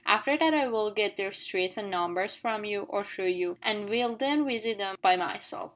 After that I will get their streets and numbers from you, or through you, and will then visit them by myself."